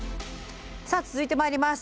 さあ続いてまいります。